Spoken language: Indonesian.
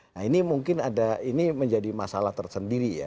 nah ini mungkin ada ini menjadi masalah tersendiri ya